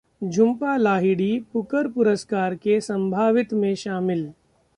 Jhumpa Lahiri Booker पुरस्कार के संभावित में शामिल